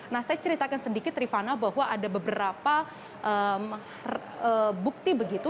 nah saya ceritakan sedikit rifana bahwa ada beberapa bukti begitu